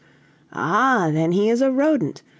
"Ah! then he is a rodent.